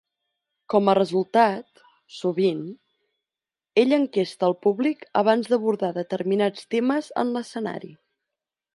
Com a resultat, sovint, ell enquesta al públic abans d'abordar determinats temes en l'escenari.